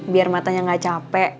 biar matanya gak capek